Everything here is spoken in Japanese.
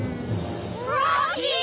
ロッキー！